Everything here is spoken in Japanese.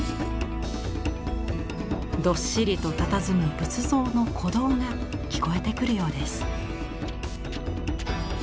どっしりとたたずむ仏像の鼓動が聞こえてくるようです。